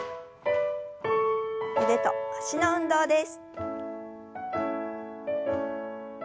腕と脚の運動です。